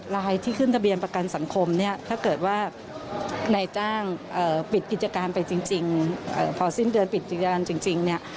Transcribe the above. ลายที่ขึ้นทะเบียนประกันสังคมเนี่ยถ้าเกิดว่านายจ้างปิดกิจการไปจริงพอสิ้นเดือนปิดกิจการจริงเนี่ย